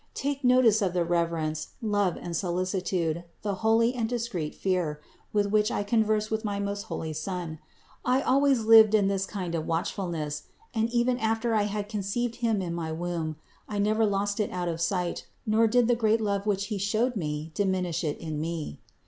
Take notice of the reverence, love and solicitude, the holy and discreet fear, with which I conversed with my most holy Son. I always lived in this kind of watchfulness ; and even after I had conceived Him in my womb, I never lost it out of sight, nor did the gr^at love which He showed me dimmish it in me.